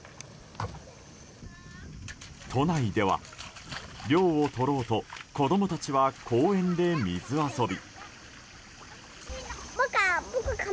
都内では、涼をとろうと子供たちは公園で水遊び。